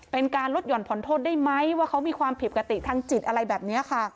เป็นการลดหย่อนผ่อนโทษได้ไหมว่าเขามีความผิดปกติทางจิตอะไรแบบนี้ค่ะ